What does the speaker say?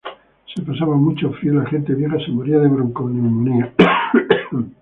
Se pasaba mucho frío y la gente vieja se moría de bronconeumonía.